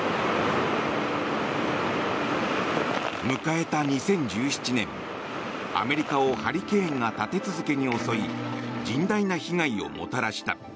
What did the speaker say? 迎えた２０１７年、アメリカをハリケーンが立て続けに襲い甚大な被害をもたらした。